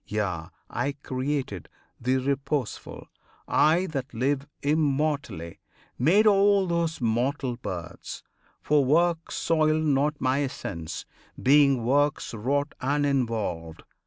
Yea, I Created, the Reposeful; I that live Immortally, made all those mortal births: For works soil not my essence, being works Wrought uninvolved.